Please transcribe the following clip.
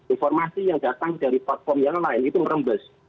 informasi yang datang dari platform yang lain itu merembes